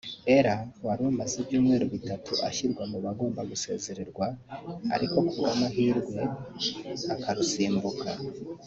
Ellah wari umaze ibyumweru bitatu ashyirwa mu bagomba gusezererwa ariko ku bw’amahirwe akarusimbuka